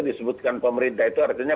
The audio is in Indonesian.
disebutkan pemerintah itu artinya